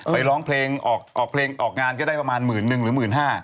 ไปร้องเพลงออกเพลงออกงานก็ได้ประมาณหมื่นหนึ่งหรือหมื่นห้า